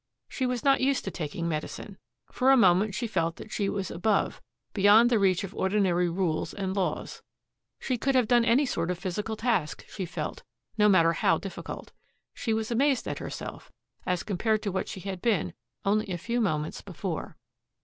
She was not used to taking medicine. For a moment she felt that she was above, beyond the reach of ordinary rules and laws. She could have done any sort of physical task, she felt, no matter how difficult. She was amazed at herself, as compared to what she had been only a few moments before.